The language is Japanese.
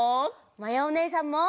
まやおねえさんも！